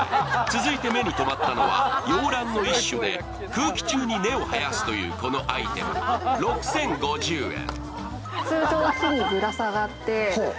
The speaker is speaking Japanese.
続いて目にとまったのは洋らんの一種で空気中に根を生やすというこのアイテム６０５０円。